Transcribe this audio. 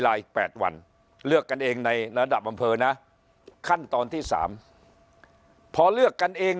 ๘วันเลือกกันเองในระดับอำเภอนะขั้นตอนที่๓พอเลือกกันเอง